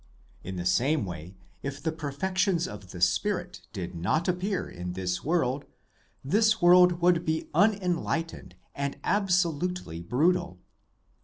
In the same way, if the perfections of the spirit did not appear in this world, this world would be unenlightened and absolutely brutal.